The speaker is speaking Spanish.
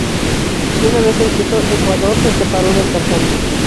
Una vez en Quito, Ecuador, se separó del cantante.